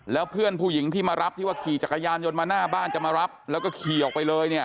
แล้วเพื่อนผู้หญิงที่มารับที่ว่าขี่จักรยานยนต์มาหน้าบ้านจะมารับแล้วก็ขี่ออกไปเลยเนี่ย